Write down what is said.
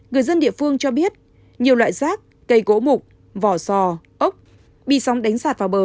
người dân địa phương cho biết nhiều loại rác cây gỗ mục vỏ sò ốc bị sóng đánh sạt vào bờ